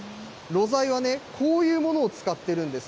ろ材はね、こういうものを使ってるんです。